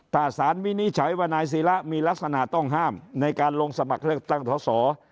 ถ้าสารวินิจฉัยว่านายศิระมีลักษณะต้องห้ามในการลงสมัครเลือกตั้งสอสอ